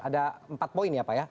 ada empat poin ya pak ya